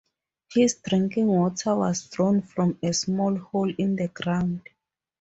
His drinking water was drawn from a small hole in the ground.